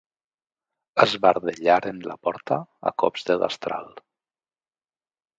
Esbardellaren la porta a cops de destral.